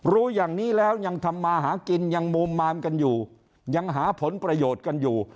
รู้อย่างนี้แล้วยังทำมาหากินยังมุมมามกันอยู่ยังหาผลประโยชน์กันอยู่